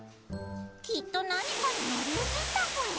⁉きっと何かにのりうつったぽよ！